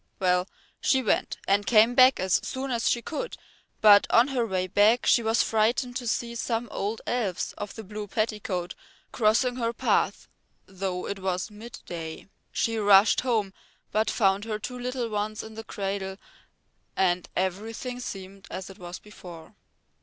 Well, she went and came back as soon as she could, but on her way back she was frightened to see some old elves of the blue petticoat crossing her path though it was midday. She rushed home, but found her two little ones in the cradle and everything seemed as it was before.